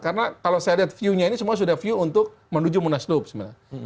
karena kalau saya lihat view nya ini semua sudah view untuk menuju munaslob sebenarnya